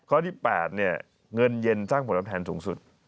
ข้อที่๘เนี่ยเงินเย็นสร้างผลตอบแทนสูงสุด